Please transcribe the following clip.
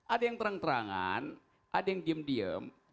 ada yang terang terangan ada yang diem diem